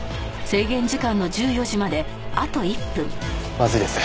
まずいです。